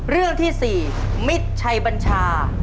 เรื่องที่๔มิตรชัยบัญชา